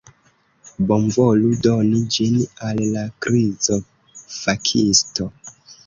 Bonvolu doni ĝin al la krizo-fakisto!